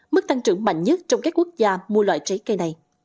mức tăng trưởng mạnh nhất trong các quốc gia mua loại trái cây này